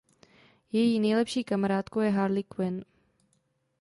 Její nejlepší kamarádkou je Harley Quinn.